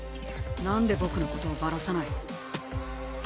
なんで僕のことをばらさない？